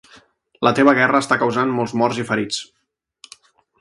La teva guerra està causant molts morts i ferits.